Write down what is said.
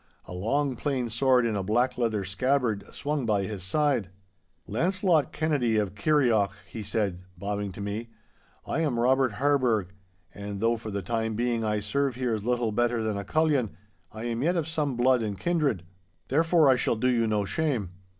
A long, plain sword in a black leather scabbard swung by his side. 'Launcelot Kennedy of Kirrieoch,' he said, bowing to me, 'I am Robert Harburgh, and though for the time being I serve here as little better than a cullion, I am yet of some blood and kindred. Therefore I shall do you no shame.